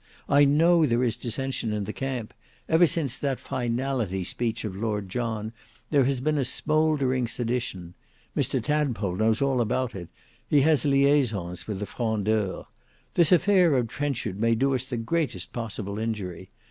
I know there is dissension in the camp; ever since that Finality speech of Lord John, there has been a smouldering sedition. Mr Tadpole knows all about it; he has liaisons with the frondeurs. This affair of Trenchard may do us the greatest possible injury.